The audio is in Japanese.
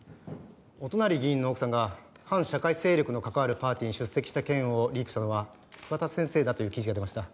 乙成議員の奥さんが反社会勢力の関わるパーティーに出席した件をリークしたのは桑田先生だという記事が出ました。